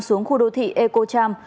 xuống khu đô thị ecocharm